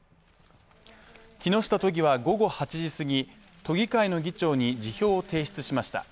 木下都議は午後８時すぎ、都議会の議長に辞表を提出しました。